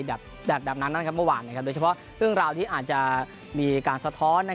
แบบนั้นนะครับเมื่อวานโดยเฉพาะเรื่องราวที่อาจจะมีการสะท้อน